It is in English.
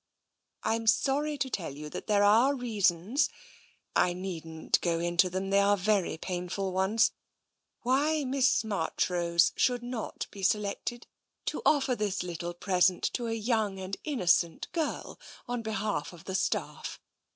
I am sorry to tell you that there are reasons — I needn't go into them, they are very painful ones TENSION 183 — why Miss M'archrose should not be selected to offer this little present to a young and innocent girl on behalf of the staff.